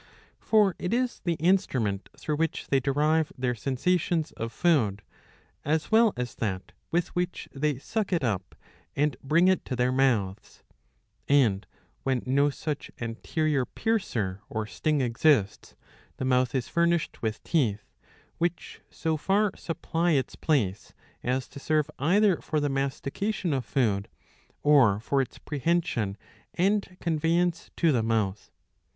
For it is the instrument through which they derive their sensations of food, as well as that with which they suck it up and bring it to their mouths ; and, when no such anterior piercer or sting exists, the mouth is furnished with teeth, which so far supply its place as to serve either for the mastication of food or for its prehension and conveyance to the mouth.